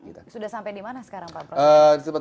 sudah sampai dimana sekarang pak